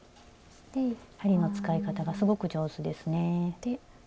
針の使い方がすごく上手ですね。